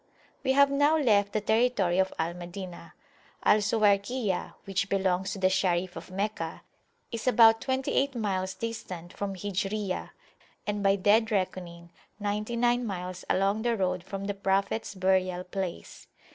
WE have now left the territory of Al Madinah. Al Suwayrkiyah, which belongs to the Sharif of Meccah, is about twenty eight miles distant from Hijriyah, and by dead reckoning ninety nine miles along the road from the Prophets burial place.